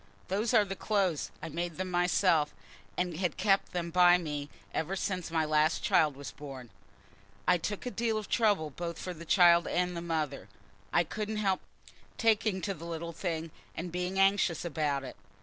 "Those are the clothes. I made them myself, and had kept them by me ever since my last child was born. I took a deal of trouble both for the child and the mother. I couldn't help taking to the little thing and being anxious about it.